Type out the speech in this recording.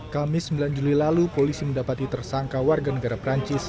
kamis sembilan juli lalu polisi mendapati tersangka warga negara perancis